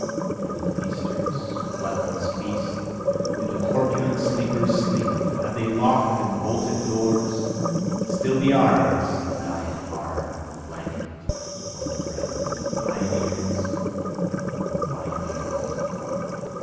Do the feasters gluttonous feast? Do the corpulent sleepers sleep? have they lock'd and bolted doors? Still be ours the diet hard, and the blanket on the ground, Pioneers! O pioneers!